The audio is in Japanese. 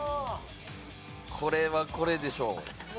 これはこれでしょ。